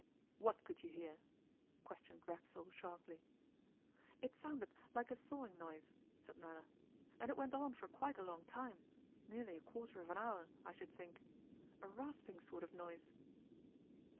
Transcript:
'What could you hear?' questioned Racksole sharply. 'It sounded like a sawing noise,' said Nella; 'and it went on for quite a long time nearly a quarter of an hour, I should think a rasping sort of noise.